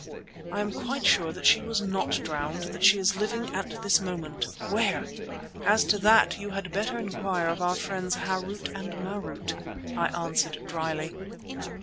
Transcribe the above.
I am quite sure that she was not drowned; that she is living at this moment." "Where?" "As to that you had better inquire of our friends, Harût and Marût," I answered dryly.